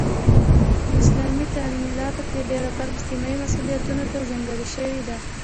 په اسلامي تعلیماتو کې ډيره برخه اجتماعي مسئولیتونو ته ځانګړې شوی ده.